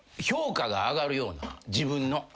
評価が上がるような自分の。